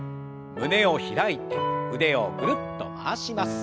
胸を開いて腕をぐるっと回します。